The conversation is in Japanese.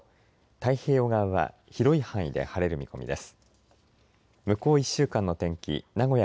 太平洋側は広い範囲で晴れる見込みです。